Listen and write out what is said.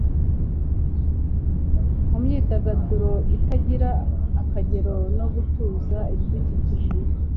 mu myidagaduro itagira akagero no gutuza ibidukikije.”